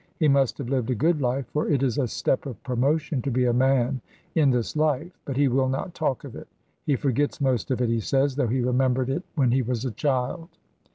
He must have lived a good life, for it is a step of promotion to be a man in this life; but he will not talk of it. He forgets most of it, he says, though he remembered it when he was a child.